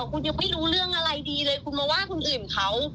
คุณยังไม่รู้เรื่องอะไรดีเลยคุณมาว่าคนอื่นเขา